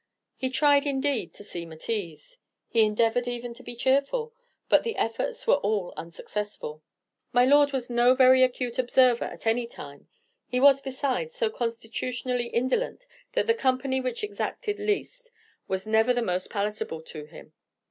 He tried, indeed, to seem at ease, he endeavored even to be cheerful; but the efforts were all unsuccessful. My lord was no very acute observer at any time; he was, besides, so constitutionally indolent that the company which exacted least was ever the most palatable to him.